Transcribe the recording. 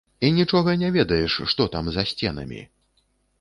І нічога не ведаеш, што там, за сценамі!